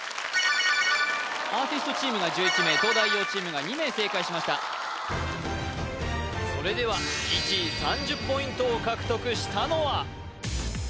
アーティストチームが１１名東大王チームが２名正解しましたそれでは１位３０ポイントを獲得したのは？